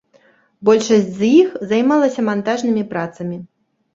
Большасць з іх займалася мантажнымі працамі.